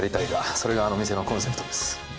それがあの店のコンセプトです。